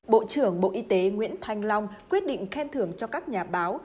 bộ trưởng bộ y tế nguyễn thanh long quyết định khen thưởng cho các nhà báo